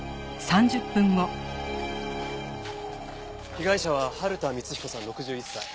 被害者は春田光彦さん６１歳。